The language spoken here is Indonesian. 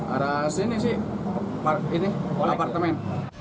ada sini sih ini apartemen